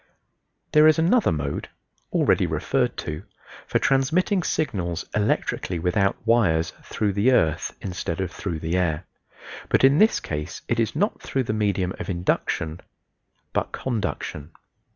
There is another mode (already referred to) for transmitting signals electrically without wires through the earth instead of through the air, but in this case it is not through the medium of induction, but conduction.